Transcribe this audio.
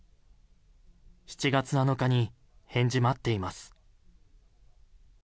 ７月７日に返事待ってます。